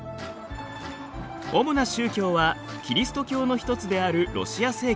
主な宗教はキリスト教の一つであるロシア正教。